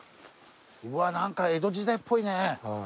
うわ何か江戸時代っぽいね。